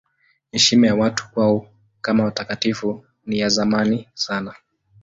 Heshima ya watu kwao kama watakatifu ni ya zamani sana.